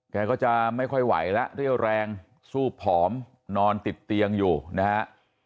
แกก็จะไม่ค่อยไหวแล้วเรี่ยวแรงซูบผอมนอนติดเตียงอยู่นะฮะ